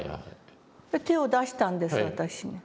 で手を出したんです私。